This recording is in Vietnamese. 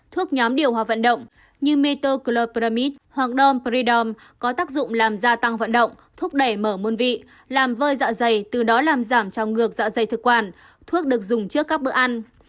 thuốc nhóm điều hòa vận động như metoclopramide hoặc dompridom có tác dụng làm gia tăng vận động thúc đẩy mở môn vị làm vơi dạ dày từ đó làm giảm trong ngược dạ dày thực quản thuốc được dùng trước các bữa ăn